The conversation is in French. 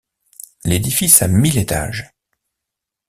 L’édifice a mille étages.